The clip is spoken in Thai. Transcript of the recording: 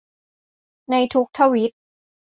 ในทุกทวีต